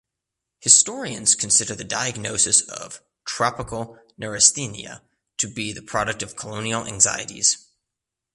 Historians consider the diagnosis of "tropical neurasthenia" to be the product of colonial anxieties.